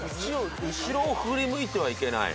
後ろを振り向いてはいけない。